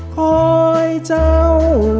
ขอให้เจ้า